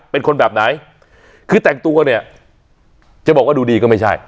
เป็นคนแบบไหนคือแต่งตัวเนี่ยจะบอกว่าดูดีก็ไม่ใช่